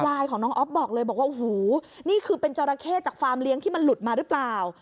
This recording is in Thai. ยายของน้องอ๊อฟบอกเลยบอกว่าโอ้โหนี่คือเป็นจราเข้จากฟาร์มเลี้ยงที่มันหลุดมาหรือเปล่า